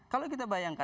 kalau kita bayangkan